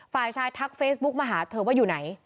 ฝ่ายชายทักเฟซบุ๊กมาหาเธอว่าอยู่ไหน